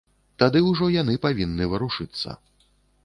Тады ўжо яны павінны варушыцца.